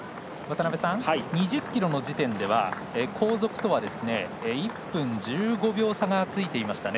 ２０ｋｍの時点では後続とは１分１５秒差がついていました。